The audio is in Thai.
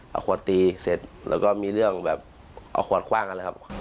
เอาขวดตีเสร็จแล้วก็มีเรื่องแบบเอาขวดคว่างกันเลยครับ